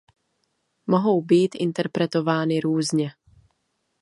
Mohou být interpretovány různě.